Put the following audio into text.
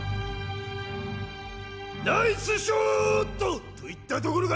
ナイスショーット！といったところか？